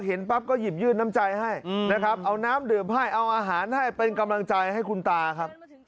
ปั๊บก็หยิบยื่นน้ำใจให้นะครับเอาน้ำดื่มให้เอาอาหารให้เป็นกำลังใจให้คุณตาครับ